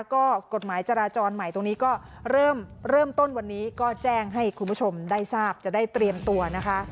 ก็กฎหมายจราจรใหม่ตรงนี้ก็เริ่มเริ่มต้นวันนี้ก็แจ้งให้คุณผู้ชมได้ทราบจะได้เตรียมตัวนะคะ